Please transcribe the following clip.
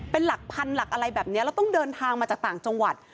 เป็นหลักพันหลักอะไรแบบนี้แล้วต้องเดินทางมาจากต่างจังหวัด